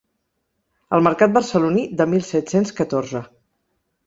El mercat barceloní de mil set-cents catorze.